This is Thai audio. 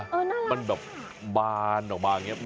เออน่ารักค่ะมันแบบบานหรือบางอย่างนี้